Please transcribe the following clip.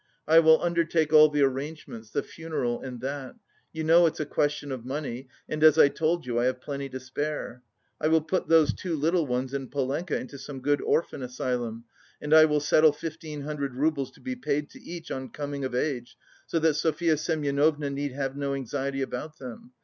"I will undertake all the arrangements, the funeral and that. You know it's a question of money and, as I told you, I have plenty to spare. I will put those two little ones and Polenka into some good orphan asylum, and I will settle fifteen hundred roubles to be paid to each on coming of age, so that Sofya Semyonovna need have no anxiety about them.